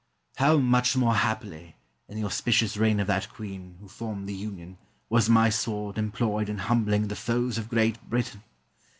How much more happily, in the auspicious reign of that queen who formed the Union, was my sword employed in humbling the foes of Great Britain!